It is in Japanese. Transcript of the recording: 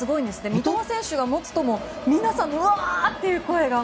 三笘選手が持つと皆さん、うわー！って声が。